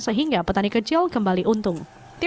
sehingga petani kecil kembali untung